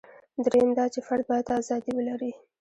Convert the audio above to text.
درېیم دا چې فرد باید ازادي ولري.